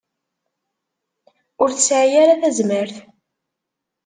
Ur tesɛi ara tazmert.